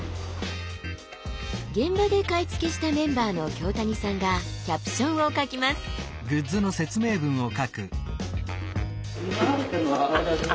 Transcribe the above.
現場で買い付けしたメンバーの京谷さんがキャプションを書きます。